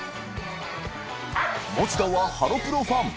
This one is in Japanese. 餅田はハロプロファン）